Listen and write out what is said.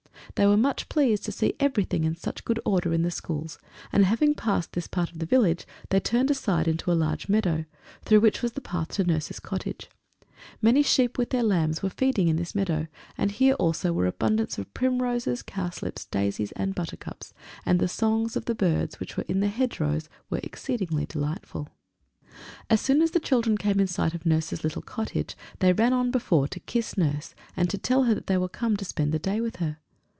They were much pleased to see everything in such good order in the schools, and having passed this part of the village, they turned aside into a large meadow, through which was the path to Nurse's cottage. Many sheep with their lambs were feeding in this meadow, and here also were abundance of primroses, cowslips, daisies, and buttercups, and the songs of the birds which were in the hedgerows were exceedingly delightful. [Illustration: "They ran on before." Page 7.] As soon as the children came in sight of Nurse's little cottage they ran on before to kiss Nurse, and to tell her that they were come to spend the day with her.